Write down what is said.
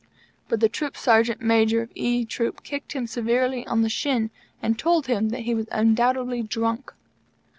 But the Troop Sergeant Major of E Troop kicked him severely on the shin, and told him that he was undoubtedly drunk.